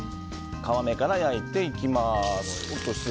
皮目から焼いていきます。